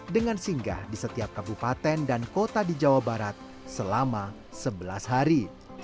dengan singgah di setiap kabupaten dan kota di jawa barat selama sebelas hari